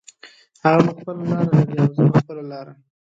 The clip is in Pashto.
هغه به خپله لار لري او زه به خپله لاره